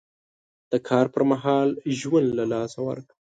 د کار پر مهال ژوند له لاسه ورکړ.